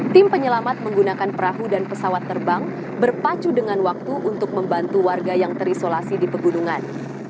tim penyelamat menggunakan perahu dan pesawat terbang berpacu dengan waktu untuk membantu warga yang terisolasi di pegunungan